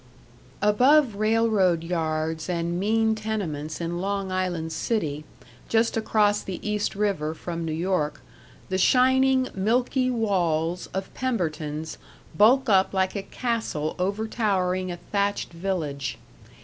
§ 3 Above railroad yards and mean tenements in Long Island City, just across the East River from New York, the shining milky walls of Pemberton's bulk up like a castle overtowering a thatched village.